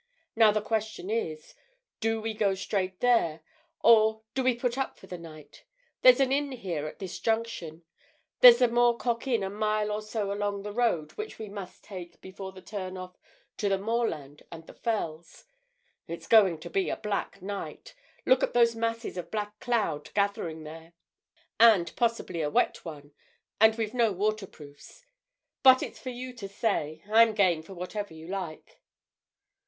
Now, the question is—Do we go straight there, or do we put up for the night? There's an inn here at this junction: there's the Moor Cock Inn a mile or so along the road which we must take before we turn off to the moorland and the fells. It's going to be a black night—look at those masses of black cloud gathering there!—and possibly a wet one, and we've no waterproofs. But it's for you to say—I'm game for whatever you like."